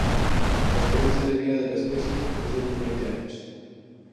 La esperanza de vida de la especie es de unos veinte años.